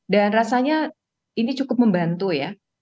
dan rasanya ini cukup membantu ya